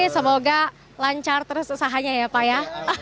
semoga lancar terus usahanya ya pak ya